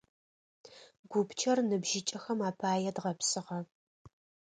Гупчэр ныбжьыкӏэхэм апае дгъэпсыгъэ.